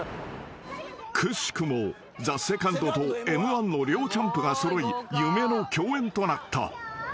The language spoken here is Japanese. ［くしくもＴＨＥＳＥＣＯＮＤとＭ−１の両チャンプが揃い夢の共演となった］